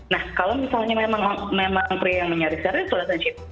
nah kalau misalnya memang pria yang mencari serius relationship